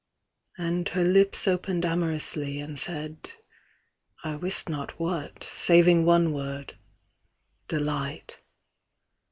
And her lips opened amorously, and said I wist not what, saving one word Delight.